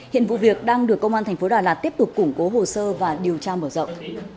hiện vụ việc đang được công an thành phố đà lạt tiếp tục củng cố hồ sơ và điều tra mở rộng